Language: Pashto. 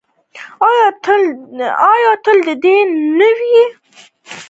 آیا تل دې نه وي زموږ کلتور؟